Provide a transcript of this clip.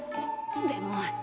でも。